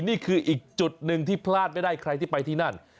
นี่คืออีกจุดหนึ่งที่พลาดไม่ได้ใครที่ไปที่นั่น